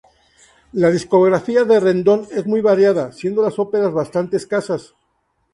La discografía de Redondo es muy variada, siendo las óperas bastantes escasas.